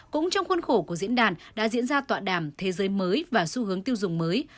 cũng trong khuôn khổ của diễn đàn đã diễn ra tọa đàm thế giới mới và xu hướng tiêu dùng mới